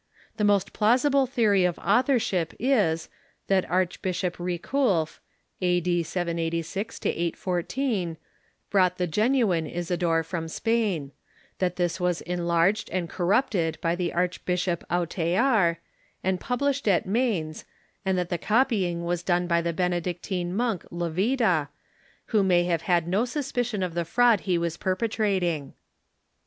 The most plausible theory of authorship is, that Archbishop Riculf (a.d. 780 814) brought the genuine Isidore from Spain ; that this Avas enlarged and corrupted by the Archbishop Autcar, and published at Mainz, and that the copying Avas done by the Benedictine monk Levita, who may have had no suspicion of the fraud he Avas perpetrating.